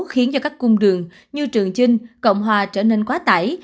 khiến cho các cung đường như trường chinh cộng hòa trở nên quá tải